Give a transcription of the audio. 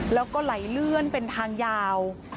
แล้วก็ไหลเลื่อนเป็นทางยาว